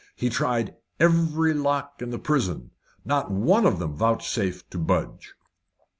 He tried every lock in the prison; not one of them vouchsafed to budge.